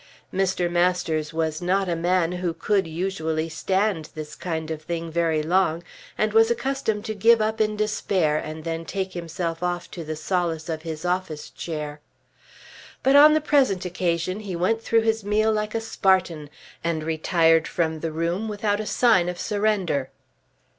Mr. Masters was not a man who could, usually, stand this kind of thing very long and was accustomed to give up in despair and then take himself off to the solace of his office chair. But on the present occasion he went through his meal like a Spartan, and retired from the room without a sign of surrender.